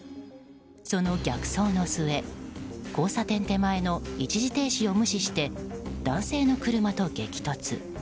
その逆走の末交差点手前の一時停止を無視して男性の車と激突。